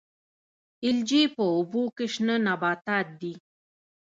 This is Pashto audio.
الجی په اوبو کې شنه نباتات دي